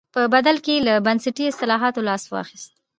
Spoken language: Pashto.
په بدل کې یې له بنسټي اصلاحاتو لاس واخیست.